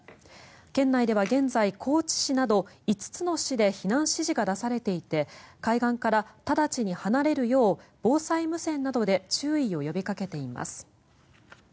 県内では現在、高知市など５つの市で避難指示が出されていて海岸から直ちに離れるよう防災無線などで注意を呼びかけています。